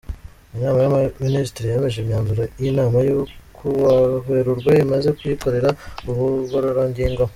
Inama y’Abaminisitiri yemeje imyanzuro y’Inama yo ku wa Werurwe imaze kuyikorera ubugororangingo.